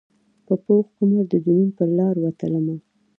په پوخ عمر د جنون پرلاروتلمه